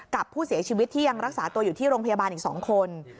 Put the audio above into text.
กับผู้เสียชีวิตที่ยังรักษาตัวอยู่ที่โรงพยาบาลอีก๒คน